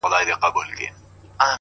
• په زر چنده مرگ بهتره دی؛